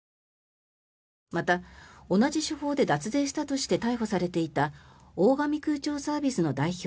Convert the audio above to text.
また、同じ手法で脱税したとして逮捕されていた大上空調サービスの代表